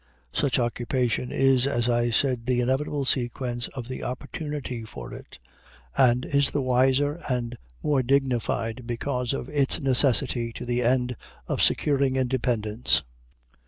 Such occupation is, as I said, the inevitable sequence of the opportunity for it, and is the wiser and more dignified because of its necessity to the end of securing independence.